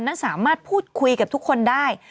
นั้นสามารถพูดคุยกับทุกคนได้